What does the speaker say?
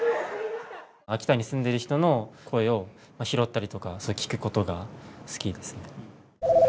秋田に住んでる人の声を拾ったりとか聴くことが好きですね。